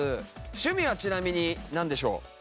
趣味はちなみになんでしょう？